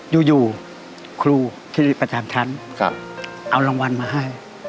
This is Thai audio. อยู่ครูที่ประจำชั้นเอารางวัลมาให้